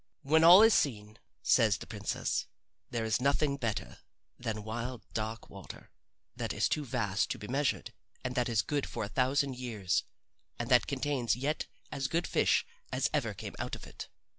When all is seen, says the princess, there is nothing better than wild, dark water that is too vast to be measured and that is good for a thousand of years, and that contains yet as good fish as ever came out of it.